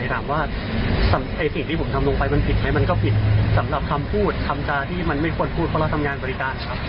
ถามว่าสิ่งที่ผมทำลงไปมันผิดไหมมันก็ผิดสำหรับคำพูดคำจาที่มันไม่ควรพูดเพราะเราทำงานบริการครับ